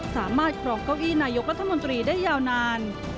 ครองเก้าอี้นายกรัฐมนตรีได้ยาวนาน